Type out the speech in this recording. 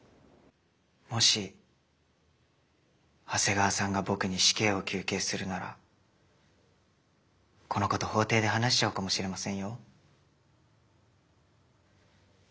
もし長谷川さんが僕に死刑を求刑するならこのこと法廷で話しちゃうかもしれませんよ。